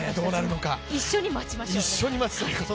一緒に待ちましょう。